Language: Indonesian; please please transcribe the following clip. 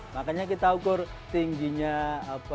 makanya kita ukur tingginya bank seberapa